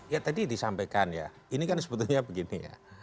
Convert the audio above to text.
ya tadi disampaikan ya ini kan sebetulnya begini ya